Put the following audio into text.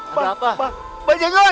apa pak bajengot